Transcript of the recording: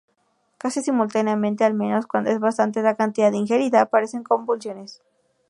Casi simultáneamente al menos cuando es bastante la cantidad ingerida, aparecen convulsiones.